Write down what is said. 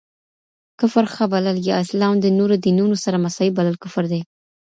کفر ښه بلل، يا اسلام د نورو دينونو سره مساوي بلل کفر دی.